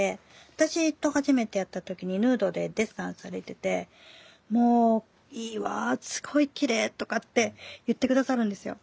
私と初めて会った時にヌードでデッサンされててもう「いいわすごいきれい」とかって言って下さるんですよ。